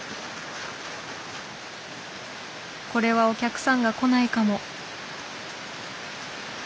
これはお客さんが来ないかも。